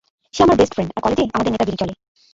সে আমার best friend আর কলেজে আমাদের নেতাগিরি চলে।